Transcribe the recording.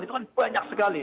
itu kan banyak sekali